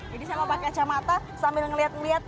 jadi saya mau pakai acamata sambil ngelihat ini